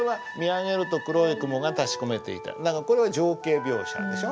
でこれはこれは情景描写でしょ。